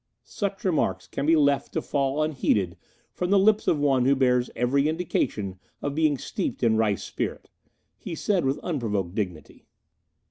"Such remarks can be left to fall unheeded from the lips of one who bears every indication of being steeped in rice spirit," he said with unprovoked dignity.